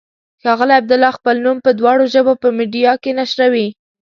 ښاغلی عبدالله خپل نوم په دواړو ژبو په میډیا کې نشروي.